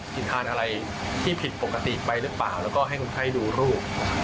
กินทานอะไรที่ผิดปกติไปหรือเปล่าแล้วก็ให้คนไข้ดูรูป